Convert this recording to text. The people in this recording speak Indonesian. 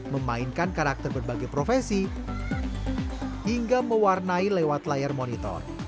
memainkan karakter berbagai profesi hingga mewarnai lewat layar monitor